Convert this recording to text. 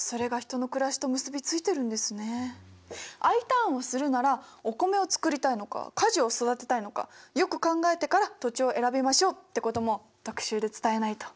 Ｉターンをするならお米を作りたいのか果樹を育てたいのかよく考えてから土地を選びましょうってことも特集で伝えないと。